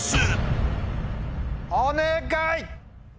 お願い！